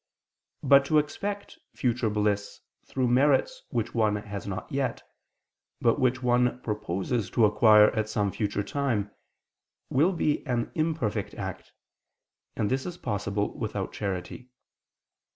But to expect future bliss through merits which one has not yet, but which one proposes to acquire at some future time, will be an imperfect act; and this is possible without charity.